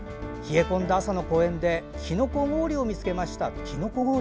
冷え込んだ朝の公園できのこ氷を見つけました。